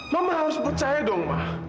mama harus percaya dong mah